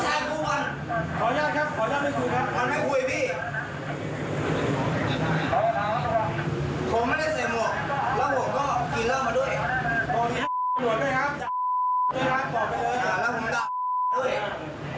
ผมไม่ได้ใส่หมวกแล้วก็กินเร่ามาด้วย